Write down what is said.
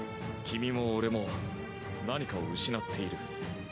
君も俺も何かを失っている。